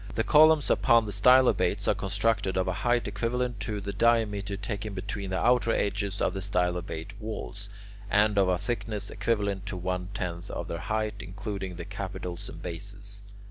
The columns upon the stylobates are constructed of a height equivalent to the diameter taken between the outer edges of the stylobate walls, and of a thickness equivalent to one tenth of their height including the capitals and bases.